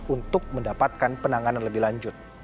untuk mendapatkan penanganan lebih lanjut